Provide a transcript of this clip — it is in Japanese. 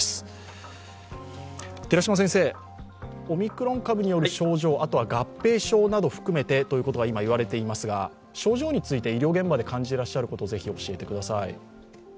オミクロン株による症状、あとは合併症など含めてということがいわれていますが症状について、医療現場で感じていらっしゃることぜひ教えてください。